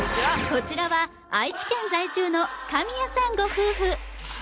こちらは愛知県在住の神谷さんご夫婦